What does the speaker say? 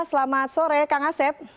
selamat sore kang asep